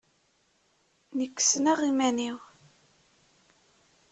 Nekk ssneɣ iman-inu.